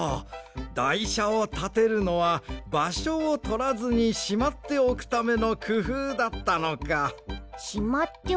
だいしゃをたてるのはばしょをとらずにしまっておくためのくふうだったのか。